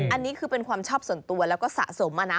อันนี้คือเป็นความชอบส่วนตัวแล้วก็สะสมมานะ